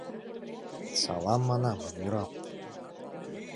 — Салам, - манам, - адмирал!